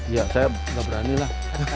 ya saya nggak berani lah